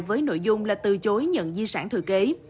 với nội dung là từ chối nhận di sản thừa kế